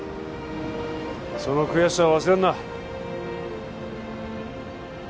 その悔しさを忘れんな